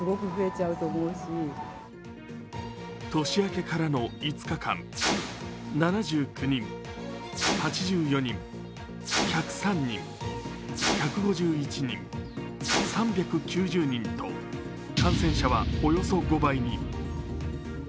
年明けからの５日間、７９人、８４人、１０３人、１５１人、３９０人と感染者はおよそ５倍に。